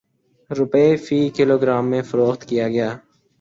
روپے فی kilogram میں فروخت کیا گیا